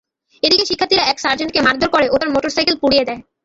এদিকে শিক্ষার্থীরা এক সার্জেন্টকে মারধর করে ও তাঁর মোটরসাইকেল পুড়িয়ে দেয়।